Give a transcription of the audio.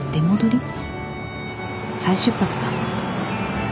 再出発だ。